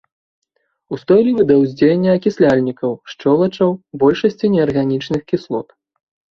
Устойлівы да ўздзеяння акісляльнікаў, шчолачаў, большасці неарганічных кіслот.